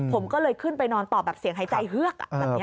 ผมก็เลยขึ้นไปนอนต่อแบบเสียงหายใจเฮือกอ่ะแบบเนี่ยค่ะ